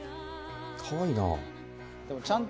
かわいいな。